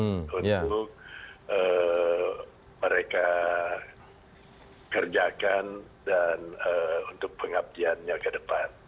untuk mereka kerjakan dan untuk pengabdiannya ke depan